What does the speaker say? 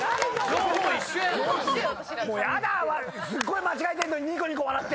すっごい間違えてんのにニコニコ笑ってて。